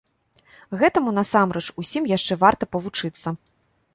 Гэтаму, насамрэч, усім яшчэ варта павучыцца.